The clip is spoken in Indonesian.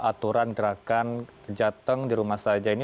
aturan gerakan jateng di rumah saja ini